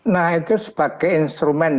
nah itu sebagai instrumen